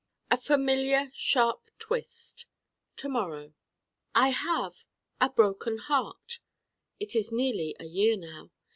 A familiar sharp twist To morrow I have a Broken Heart It is nearly a year now.